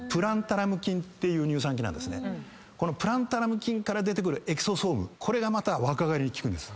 このプランタラム菌から出てくるエクソソームこれがまた若返りに効くんです。